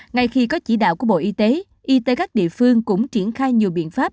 ngay khi có chỉ đạo của bộ y tế y tế các địa phương cũng triển khai nhiều biện pháp